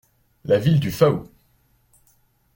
La ville du Faou.